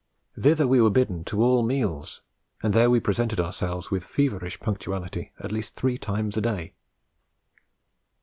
Thither we were bidden to all meals, and there we presented ourselves with feverish punctuality at least three times a day.